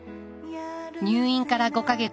入院から５か月